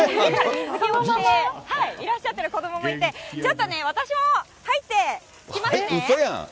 水着を着ていらっしゃってる子どももいて、ちょっと私も入っていきますね。